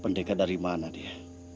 pendekat dari mana dia